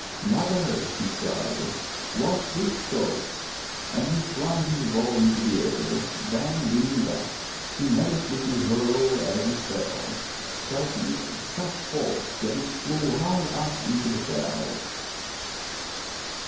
"Mother," he cried, "watch this stroke!" And he flung his ball into the air, then, leaning back, he met it with his hurle as it fell, striking it with such force that it flew high up into the clouds.